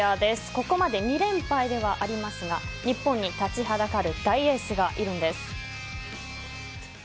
ここまで２連敗ではありますが日本に立ちはだかる大エースがいるんです。